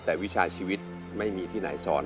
แต่วิชาชีวิตไม่มีที่ไหนสอน